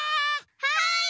はい！